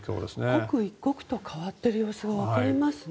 刻一刻と変わっている様子がわかりますね。